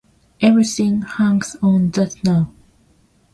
Everything hangs on that now.